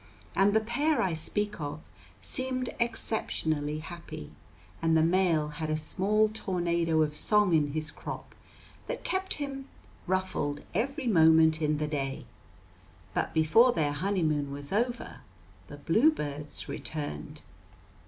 And the pair I speak of seemed exceptionally happy, and the male had a small tornado of song in his crop that kept him "ruffled" every moment in the day. But before their honeymoon was over the bluebirds returned.